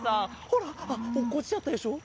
ほらあっおっこちちゃったでしょ？